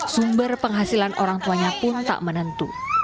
sumber penghasilan orang tuanya pun tak menentu